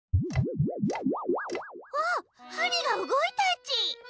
あっはりがうごいたち！